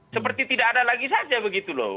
seperti tidak ada lagi saja begitu loh